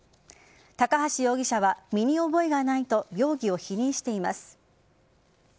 高橋容疑者は身に覚えがないと容疑を否認しています。